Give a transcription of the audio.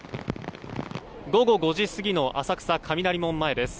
午後５時過ぎの浅草雷門前です。